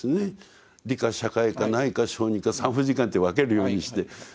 理科社会科内科小児科産婦人科なんて分けるようにして考える。